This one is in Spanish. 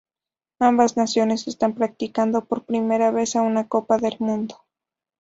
Ambas naciones están participando por primera vez a una Copa del mundo.